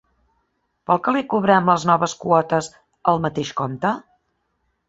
Vol que li cobrem les noves quotes al mateix compte?